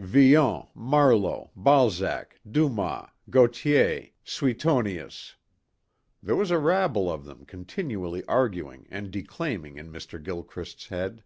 Villon, Marlowe, Balzac, Dumas, Gautier, Suetonius there was a rabble of them continually arguing and declaiming in Mr. Gilchrist's head.